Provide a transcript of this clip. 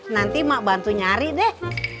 nanti mak bantu nyari deh